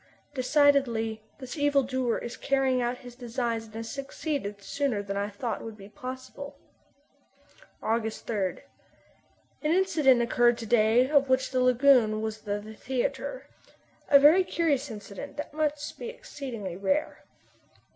Decidedly, this evildoer is carrying out his designs and has succeeded sooner than I thought would be possible. August 3. An incident occurred to day of which the lagoon was the theatre a very curious incident that must be exceedingly rare.